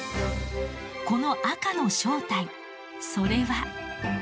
この赤の正体それは。